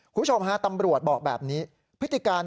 คุณผู้ชมหาตำรวจบอกแบบนี้